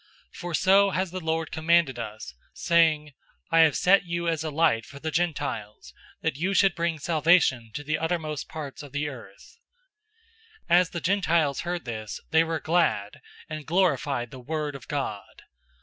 013:047 For so has the Lord commanded us, saying, 'I have set you as a light for the Gentiles, that you should bring salvation to the uttermost parts of the earth.'"{Isaiah 49:6} 013:048 As the Gentiles heard this, they were glad, and glorified the word of God.